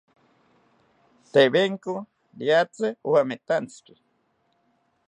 Tewenko riatzi owametantziki